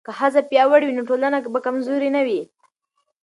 که ښځې پیاوړې وي نو ټولنه به کمزورې نه وي.